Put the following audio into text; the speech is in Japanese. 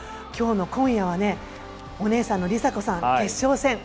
今夜はお姉さんの梨紗子さん決勝戦。